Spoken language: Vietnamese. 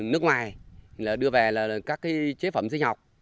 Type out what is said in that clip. nước ngoài đưa về các chế phẩm sinh học